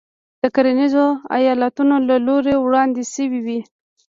د کرنیزو ایالتونو له لوري وړاندې شوې وې.